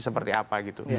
seperti apa gitu